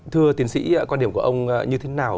thưa tiến sĩ quan điểm của ông như thế nào